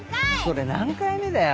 それ何回目だよ。